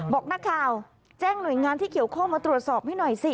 บอกนักข่าวแจ้งหน่วยงานที่เกี่ยวข้องมาตรวจสอบให้หน่อยสิ